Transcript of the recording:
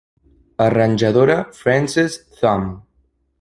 Arranjadora Frances Thumm.